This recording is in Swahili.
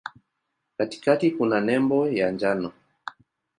Katikati kuna nembo ya njano.